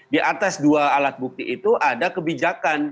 di atas dua alat bukti itu ada kebijakan